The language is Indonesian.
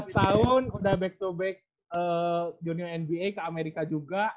lima belas tahun udah back to back junior nba ke amerika juga